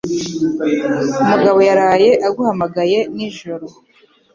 Umugabo yaraye aguhamagaye ni njoro